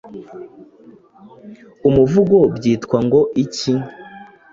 umuvugo byitwa ngo iki?